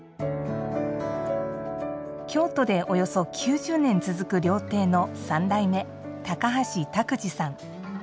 京都で、およそ９０年続く料亭の３代目・高橋拓児さん。